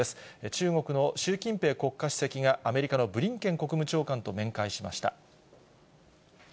中国の習近平国家主席が、アメリカのブリンケン国務長官と面会しました。